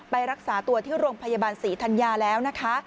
รักษาตัวที่โรงพยาบาลศรีธัญญาแล้วนะคะ